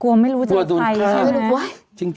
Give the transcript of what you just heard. กลัวไม่รู้จะมีใครนะ